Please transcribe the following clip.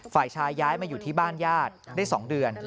ฝ่ายชายย้ายมาอยู่ที่บ้านญาติได้๒เดือน